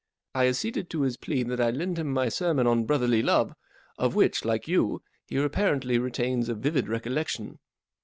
I acceded to his plea that I lend him my sermon on Brotherly Love, of which, like you, he apparently retains a vivid recollection.